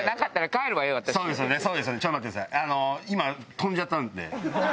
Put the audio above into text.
あの今飛んじゃったんで。